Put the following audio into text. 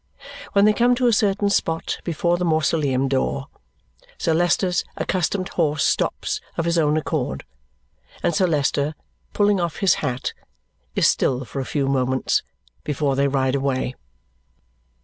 When they come to a certain spot before the mausoleum door, Sir Leicester's accustomed horse stops of his own accord, and Sir Leicester, pulling off his hat, is still for a few moments before they ride away.